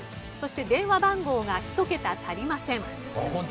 そして電話番号が１桁足りません。